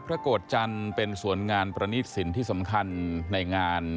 พระโกตจันทร์เป็นส่วนงานประณีสินที่สำคัญในงาน